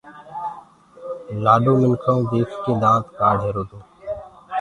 گھوٽ منکآئو ديک ڪي دآنت ڪآڙهيرو تو